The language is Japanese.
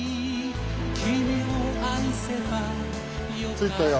着いたよ。